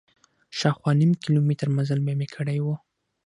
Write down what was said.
شاوخوا نیم کیلومتر مزل به مې کړی و.